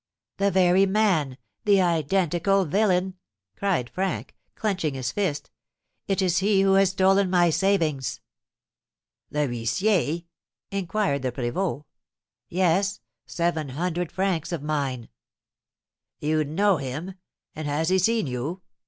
"The very man! The identical villain!" cried Frank, clenching his fists. "It is he who has stolen my savings!" "The huissier?" inquired the prévôt. "Yes, seven hundred francs of mine." "You know him? And has he seen you?"